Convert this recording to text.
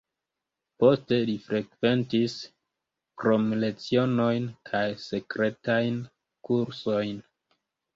Poste li frekventis kromlecionojn kaj sekretajn kursojn.